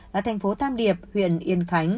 là thành phố tam điệp huyện yên khánh